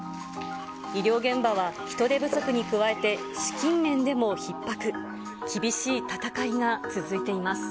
医療現場は人手不足に加えて、資金源でもひっ迫。